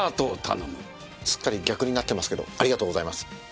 すっかり逆になってますけどありがとうございます。